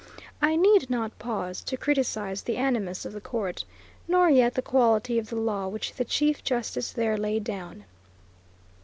I need not pause to criticise the animus of the Court, nor yet the quality of the law which the Chief Justice there laid down.